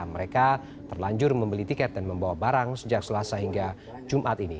mereka terlanjur membeli tiket dan membawa barang sejak selasa hingga jumat ini